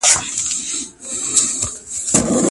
کوم هیواد غواړي صادرات نور هم پراخ کړي؟